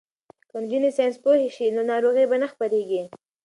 که نجونې ساینس پوهې شي نو ناروغۍ به نه خپریږي.